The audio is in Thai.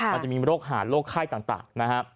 มันจะมีโรคหาดโรคไข้ต่างนะฮะ